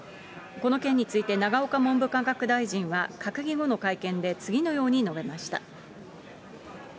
この件について永岡文部科学大臣は、閣議後の会見で次のように述べました。